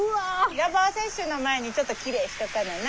予防接種の前にちょっときれいしとかなな。